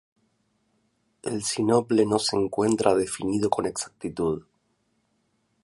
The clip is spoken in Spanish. El sinople no se encuentra definido con exactitud.